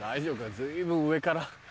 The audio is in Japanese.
随分上から。